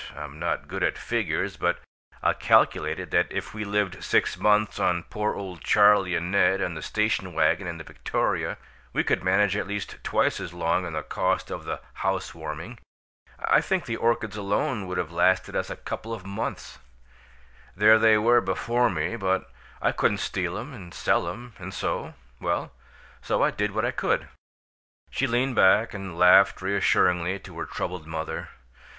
I'm not good at figures, but I calculated that if we lived six months on poor old Charlie and Ned and the station wagon and the Victoria, we could manage at least twice as long on the cost of the 'house warming.' I think the orchids alone would have lasted us a couple of months. There they were, before me, but I couldn't steal 'em and sell 'em, and so well, so I did what I could!" She leaned back and laughed reassuringly to her troubled mother.